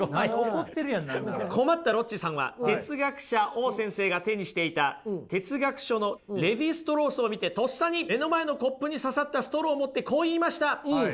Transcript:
困ったロッチさんは哲学者Ｏ先生が手にしていた哲学書の「レヴィ＝ストロース」を見てとっさに目の前のコップに刺さったストローを持ってこう言いました！